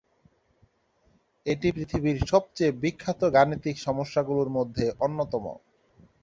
এটি পৃথিবীর সবচেয়ে বিখ্যাত গাণিতিক সমস্যাগুলোর মধ্যে অন্যতম।